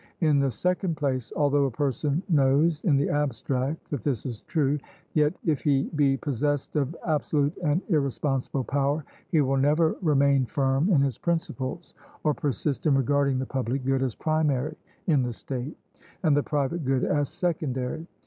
In the second place, although a person knows in the abstract that this is true, yet if he be possessed of absolute and irresponsible power, he will never remain firm in his principles or persist in regarding the public good as primary in the state, and the private good as secondary.